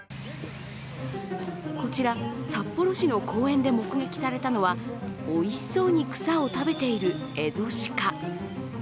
こちら、札幌市の公園で目撃されたのはおいしそうに草を食べているエゾシカ。